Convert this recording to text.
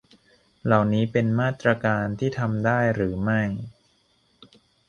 เหล่านี้เป็นมาตรการที่ทำได้หรือไม่